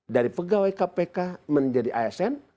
dari pegawai kpk menjadi asn